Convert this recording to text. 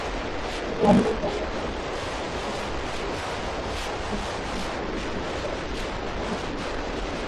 তিনি আধুনিক বাংলা গান এবং হালকা শাস্ত্রীয় সঙ্গীত সহ বিভিন্ন সংগীত শৈলী সাথে জুড়ে আছেন।